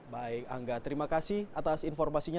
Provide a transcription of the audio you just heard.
baik angga terima kasih atas informasinya